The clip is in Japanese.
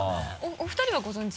お二人はご存じ？